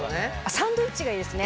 サンドイッチがいいですね。